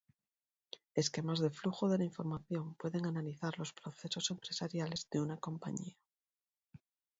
Esquemas de flujo de la información pueden analizar los procesos empresariales de una compañía.